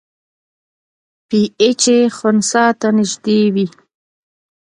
پی ایچ یې خنثی ته نږدې وي.